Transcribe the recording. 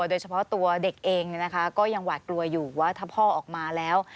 โดยเฉพาะตัวเด็กเองก็ยังหวาดกลัวอยู่ว่าถ้าพ่อออกมาแล้ว